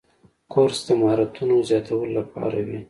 کورس د مهارتونو زیاتولو لپاره وي.